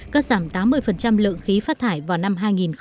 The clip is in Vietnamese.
cắt giảm tám mươi lượng khí phát thải vào năm hai nghìn hai mươi